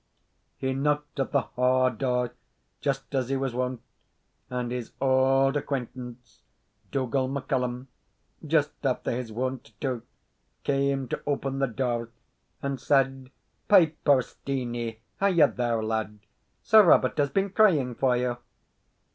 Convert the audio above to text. He knocked at the ha' door just as he was wont, and his auld acquaintance, Dougal MacCallum just after his wont, too came to open the door, and said, "Piper Steenie, are ye there lad? Sir Robert has been crying for you."